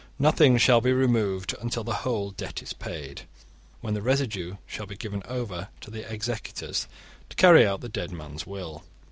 Nothing shall be removed until the whole debt is paid, when the residue shall be given over to the executors to carry out the dead man's will.